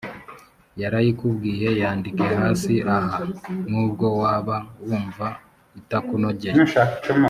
yarayikubwiye yandike hasi aha nubwo waba wumva itakunogeye